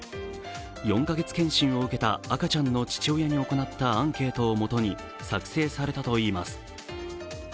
４か月健診を受けた赤ちゃんの父親に行ったアンケートをもとに作成されたといいます。